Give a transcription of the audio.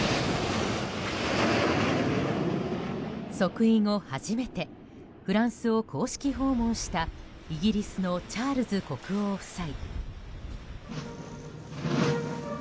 即位後初めてフランスを公式訪問したイギリスのチャールズ国王夫妻。